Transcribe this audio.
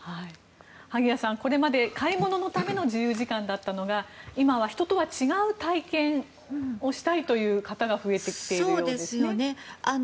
萩谷さん、これまで買い物のための自由時間だったのが今は人とは違う体験をしたいという方が増えてきているようですね。